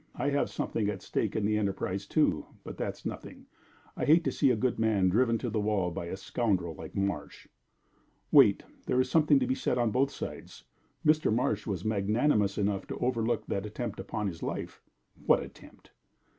I have something at stake in the enterprise, too but that's nothing. I hate to see a good man driven to the wall by a scoundrel like Marsh." "Wait! There is something to be said on both sides. Mr. Marsh was magnanimous enough to overlook that attempt upon his life." "What attempt?"